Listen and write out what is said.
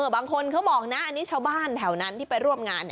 บางคนเขาบอกนะอันนี้ชาวบ้านแถวนั้นที่ไปร่วมงาน